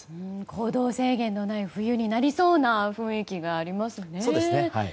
行動制限のない冬になりそうな雰囲気がありますね。